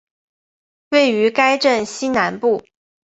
位于该镇西南部。